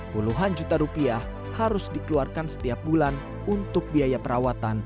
puluhan juta rupiah harus dikeluarkan setiap bulan untuk biaya perawatan